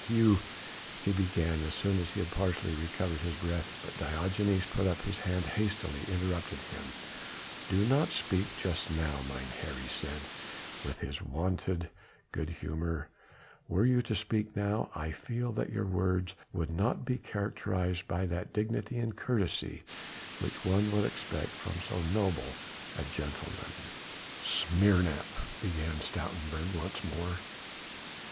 "You ..." he began as soon as he had partially recovered his breath. But Diogenes putting up his hand hastily interrupted him: "Do not speak just now, mynheer," he said with his wonted good humour. "Were you to speak now, I feel that your words would not be characterized by that dignity and courtesy which one would expect from so noble a gentleman." "Smeerlap! " began Stoutenburg once more.